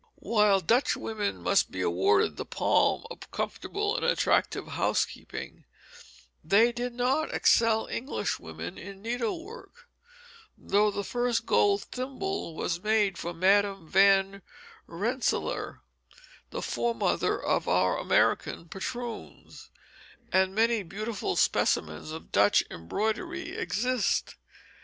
While Dutch women must be awarded the palm of comfortable and attractive housekeeping, they did not excel Englishwomen in needlework; though the first gold thimble was made for Madam Van Rensselaer, the foremother of our American patroons; and many beautiful specimens of Dutch embroidery exist.